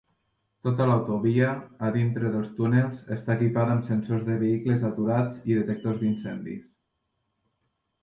Tota l"autovia, a dintre dels túnels, està equipada amb sensors de vehicles aturats i detectors d"incendis.